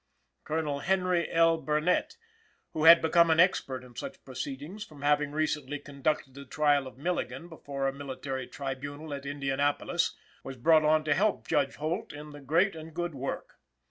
Colonel Henry L. Burnett, who had become an expert in such proceedings from having recently conducted the trial of Milligan before a military tribunal at Indianapolis, was brought on to help Judge Holt in the great and good work.